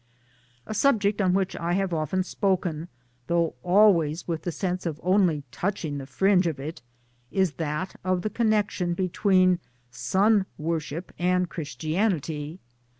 A subject on which I have often spoken though always with the sense of only touching the fringe of it is that of the connection between Sun worship and Christianity.